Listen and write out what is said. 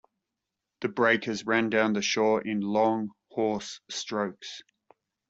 The breakers ran down the shore in long, hoarse strokes.